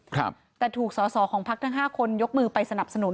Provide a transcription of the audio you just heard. ครับแต่ถูกสอสอของพักทั้งห้าคนยกมือไปสนับสนุน